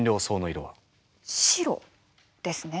白ですね。